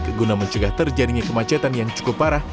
keguna mencegah terjadinya kemacetan yang cukup parah